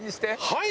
はい！